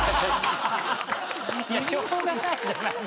しょうがないじゃないの。